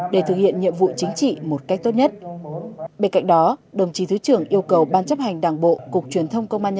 để thực hiện nhiệm vụ chính trị một cách tốt nhất